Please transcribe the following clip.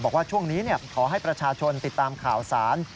บอกว่าช่วงนี้ขอให้ประชาชนติดตามข่าวสาร